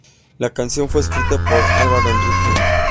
La canción fue escrita por Alvaro Henriquez.